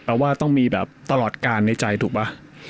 ว่าต้องมีแบบตลอดการในใจถูกป่ะ